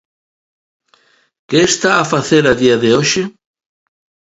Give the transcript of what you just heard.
¿Que está a facer a día de hoxe?